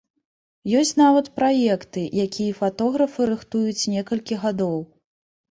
Ёсць нават праекты, якія фатографы рыхтуюць некалькі гадоў.